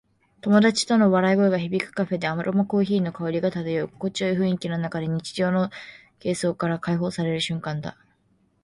友達との笑い声が響くカフェで、アロマコーヒーの香りが漂う。心地よい雰囲気の中で、日常の喧騒から解放される瞬間だ。